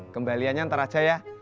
kembaliannya ntar aja ya